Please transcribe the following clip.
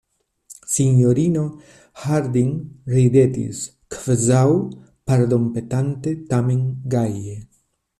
Sinjorino Harding ridetis, kvazaŭ pardonpetante, tamen gaje: